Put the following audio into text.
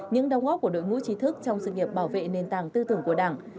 những đóng góp của đội ngũ trí thức trong sự nghiệp bảo vệ nền tảng tư tưởng của đảng